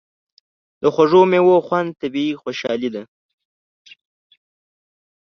د خوږو میوو خوند طبیعي خوشالي ده.